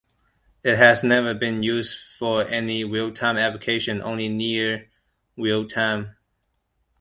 It has never been used for any real time application, only near real time.